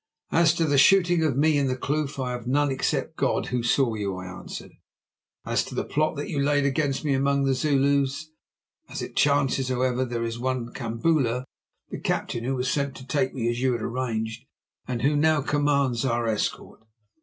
"As to the shooting at me in the kloof, I have none except God who saw you," I answered. "As to the plot that you laid against me among the Zulus, as it chances, however, there is one, Kambula, the captain who was sent to take me as you had arranged, and who now commands our escort."